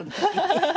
ハハハハ！